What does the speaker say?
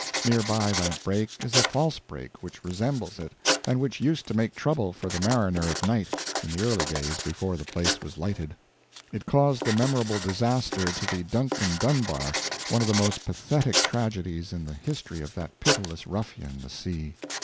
Near by that break is a false break which resembles it, and which used to make trouble for the mariner at night, in the early days before the place was lighted. It caused the memorable disaster to the Duncan Dunbar, one of the most pathetic tragedies in the history of that pitiless ruffian, the sea.